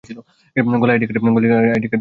গলায় ID card দিয়ে ভেতরে যাও।